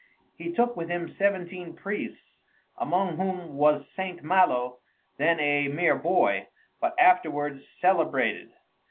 He took with him seventeen priests, among whom was St. Malo, then a mere boy, but afterwards celebrated.